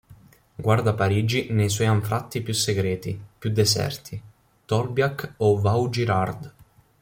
Guarda Parigi nei suoi anfratti più segreti, più deserti, Tolbiac o Vaugirard.